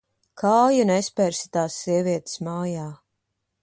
Kāju nespersi tās sievietes mājā.